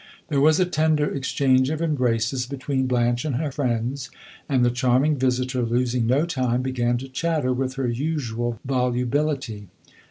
There was a tender exchange of embraces between Blanche and her friends, and the charming visitor, losing no time, began to chatter with her usual volubility.